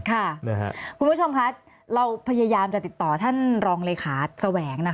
ค่ะคุณผู้ชมคะเราพยายามจะติดต่อท่านรองเลยคาสแสวง